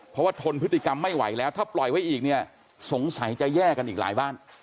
เพราะว่าทนพฤติกรรมไม่ไหวแล้วถ้าปล่อยไว้อีกเนี่ยสงสัยจะแย่กันอีกหลายบ้าน